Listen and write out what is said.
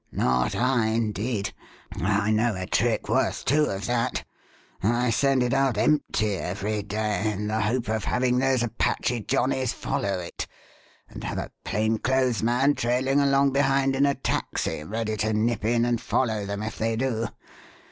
"Not I, indeed. I know a trick worth two of that. I send it out, empty, every day, in the hope of having those Apache johnnies follow it, and have a plain clothes man trailing along behind in a taxi, ready to nip in and follow them if they do.